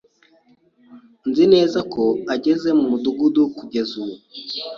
Nzi neza ko ageze mu mudugudu kugeza ubu.